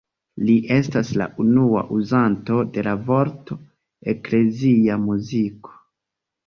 Li estas la unua uzanto de la vorto „eklezia muziko“.